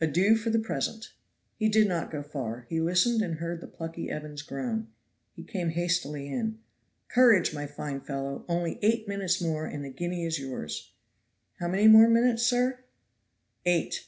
adieu for the present." He did not go far. He listened and heard the plucky Evans groan. He came hastily in. "Courage, my fine fellow, only eight minutes more and the guinea is yours. "How many more minutes, sir?" "Eight."